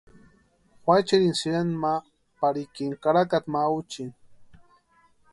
Juachiri sïranta ma parikini karakata ma úchini.